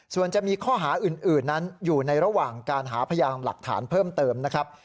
ส่วนจะมีข้อหาอื่นนั้นอยู่ในระหว่างการหาพยานหลักฐานเพิ่มเติมนะครับ